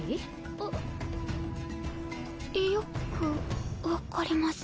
えっ？よく分かりません。